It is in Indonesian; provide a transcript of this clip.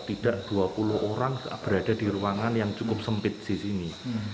tidak dua puluh orang berada di ruangan yang cukup sempit di sini